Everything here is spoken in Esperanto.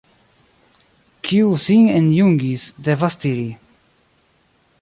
Kiu sin enjungis, devas tiri.